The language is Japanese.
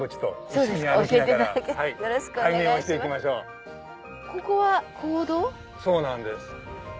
そうなんです。